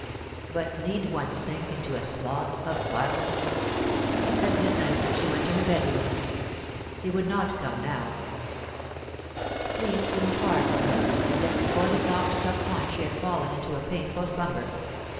But need one sink into a slough of vileness? At midnight she went to her bedroom. He would not come now. Sleep seemed far from her, and yet before the clock struck one she had fallen into a painful slumber.